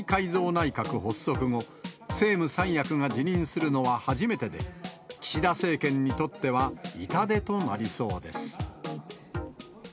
内閣発足後、政務三役が辞任するのは初めてで、岸田政権にとっては痛手となりそうです。